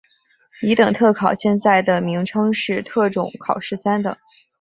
乙等特考现在的名称是特种考试三等。